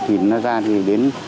thì nó ra thì đến